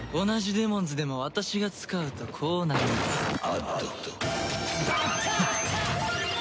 同じデモンズでも私が使うとこうなります。